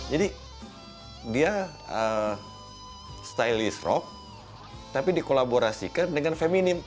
jadi dia stylist rock tapi dikolaborasikan dengan feminim